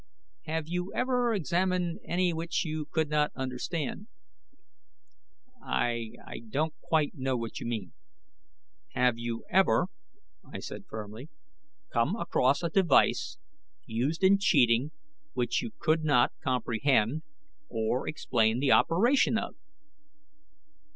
"Have you ever examined any which you could not understand?" "I ... I don't quite know what you mean." "Have you ever," I said firmly, "come across a device used in cheating which you could not comprehend or explain the operation of?"